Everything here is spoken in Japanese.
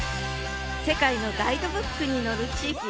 世界のガイドブックに載る地域